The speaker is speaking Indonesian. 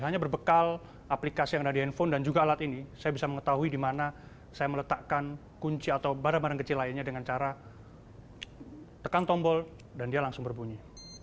hanya berbekal aplikasi yang ada di handphone dan juga alat ini saya bisa mengetahui di mana saya meletakkan kunci atau barang barang kecil lainnya dengan cara tekan tombol dan dia langsung berbunyi